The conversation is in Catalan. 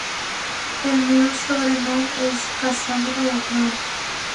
El meu sobrenom és Cassandra Hernán.